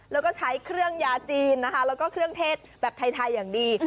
แล้วก็ใช้เครื่องยาจีนนะคะแล้วก็เครื่องเทศแบบไทยอย่างดี